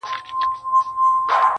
لا کومول ته په غوسه په خروښېدو سو.!